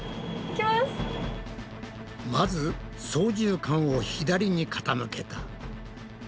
まず操縦かんを左に傾けた。